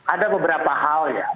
ada beberapa hal ya